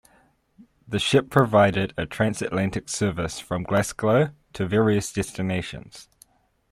The ship provided a transatlantic service from Glasgow to various destinations.